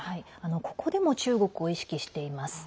ここでも中国を意識しています。